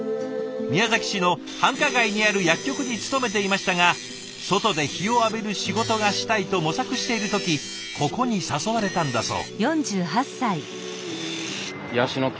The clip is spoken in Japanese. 宮崎市の繁華街にある薬局に勤めていましたが外で日を浴びる仕事がしたいと模索している時ここに誘われたんだそう。